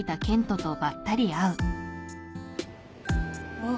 あっ。